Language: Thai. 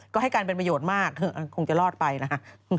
ก็ให้การเป็นประโยชน์มากคงจะรอดไปนะฮะ